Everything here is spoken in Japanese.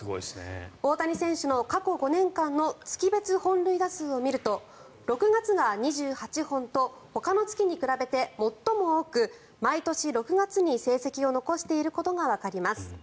大谷選手の過去５年間の月別本塁打数を見ると６月が２８本とほかの月に比べて最も多く毎年６月に成績を残していることがわかります。